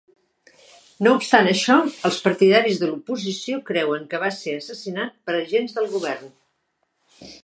No obstant això, els partidaris de l'oposició creuen que va ser assassinat per agents del govern.